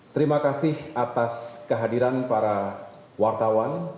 terima kasih atas kehadiran para wartawan